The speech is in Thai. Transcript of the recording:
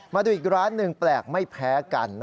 มาดูอีกร้านหนึ่งแปลกไม่แพ้กัน